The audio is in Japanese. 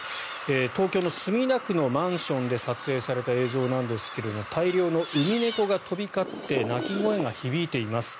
東京の墨田区のマンションで撮影された映像なんですが大量のウミネコが飛び交って鳴き声が響いています。